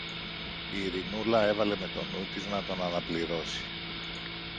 Η Ειρηνούλα έβαλε με το νου της να τον αναπληρώσει.